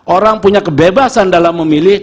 orang punya kebebasan dalam memilih